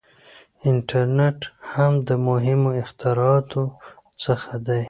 • انټرنېټ هم د مهمو اختراعاتو څخه دی.